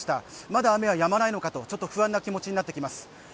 まだ雨はやまないのかとちょっと不安な気持ちになっています。